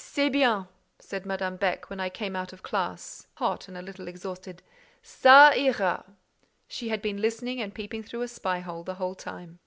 "C'est bien," said Madame Beck, when I came out of class, hot and a little exhausted. "Ca ira." She had been listening and peeping through a spy hole the whole time.